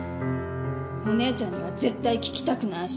お姉ちゃんには絶対に聞きたくないし。